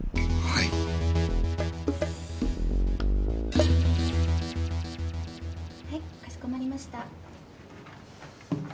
はいかしこまりました。